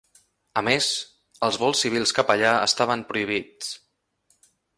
A més, els vols civils cap allà estaven prohibits.